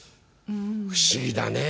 不思議だねー。